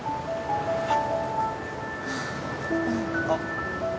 あっ。